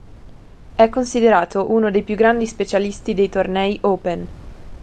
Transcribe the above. È considerato uno dei più grandi specialisti dei tornei "open".